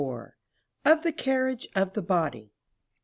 _Of the Carriage of the Body.